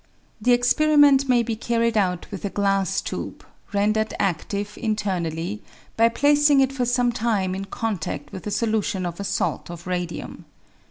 The experiment may be carried out with a glass tube, rendered adtive internally by placing it for some time in contadl with a solution of a salt of radium.